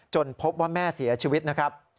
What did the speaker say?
พบว่าแม่เสียชีวิตนะครับ